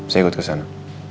saya ikut kesana